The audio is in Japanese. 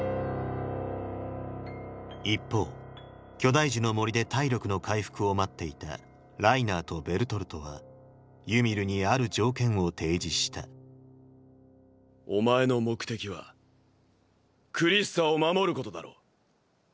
一方巨大樹の森で体力の回復を待っていたライナーとベルトルトはユミルにある条件を提示したお前の目的はクリスタを守ることだろ？